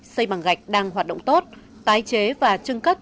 xây bằng gạch đang hoạt động tốt tái chế và trưng cất